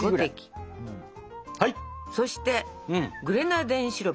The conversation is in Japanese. そしてグレナデンシロップ！